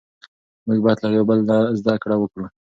موږ بايد له يوه بل زده کړه وکړو.